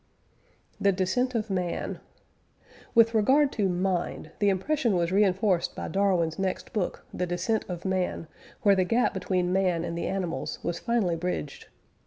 THE DESCENT OF MAN. With regard to "mind," the impression was re inforced by Darwin's next book the Descent of Man, where the gap between man and the animals was finally bridged.